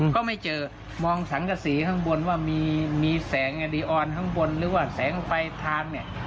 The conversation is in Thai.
ก็ไม่เจอมองสังกษีข้างบนว่ามีแสงอดีออนข้างบนหรือว่าแสงไฟทางเนี่ย